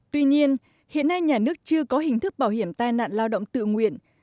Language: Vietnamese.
tuy nhiên hiện nay nhà nước chưa có hình thức bảo hiểm tai nạn lao động tự nguyện